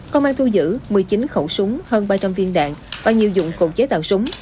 công an thu giữ một mươi chín khẩu súng hơn ba trăm linh viên đạn và nhiều dụng cụ chế tạo súng